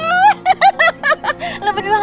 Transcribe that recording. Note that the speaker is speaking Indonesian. lu berdua gak bakalan berani